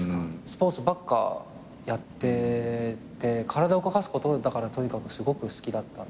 スポーツばっかやってて体を動かすこととにかくすごく好きだったんですけど。